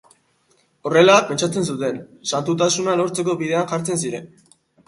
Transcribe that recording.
Horrela, pentsatzen zuten, santutasuna lortzeko bidean jartzen ziren.